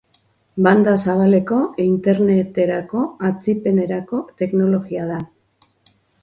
Banda zabaleko interneterako atzipenerako teknologia da.